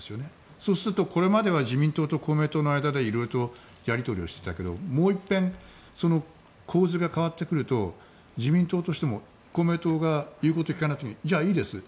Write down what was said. そうすると、これまでは自民党と公明党の間で色々とやり取りしていたけどもう一遍、構図が変わってくると自民党としても公明党が言うことを聞かない時にじゃあいいですよ